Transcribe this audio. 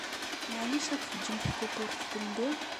Meɛlic ad teǧǧemt tawwurt teldi?